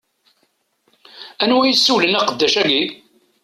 Anwa i yessewlen aqeddac-agi?